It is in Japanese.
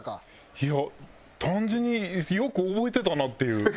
いや単純によく覚えてたなっていう。